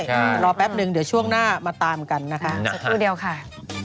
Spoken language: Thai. รอแป๊บนึงเดี๋ยวช่วงหน้ามาตามกันนะคะสักครู่เดียวค่ะ